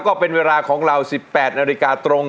ก็เป็นเวลาของเรา๑๘นาฬิกาตรง